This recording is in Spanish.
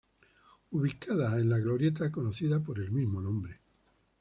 Ubicada en la glorieta conocida por el mismo nombre.